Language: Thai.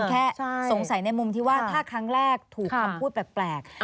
แค่สงสัยในมุมที่ว่าถ้าครั้งแรกถูกคำพูดแปลก